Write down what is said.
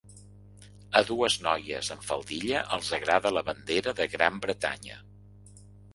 A dues noies amb faldilla els agrada la bandera de Gran Bretanya.